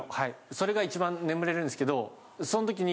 それが一番眠れるんですけどそんときに。